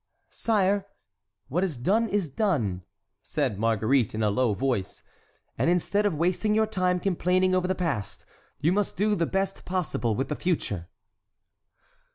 "Sire, what is done is done," said Marguerite, in a low voice, "and instead of wasting your time complaining over the past you must do the best possible with the future."